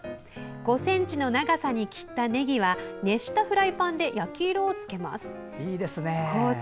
５ｃｍの長さに切ったねぎは熱したフライパンで焼き色をつけます。